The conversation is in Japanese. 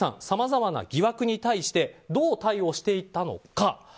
さまざまな疑惑に対してどう対応していたのか。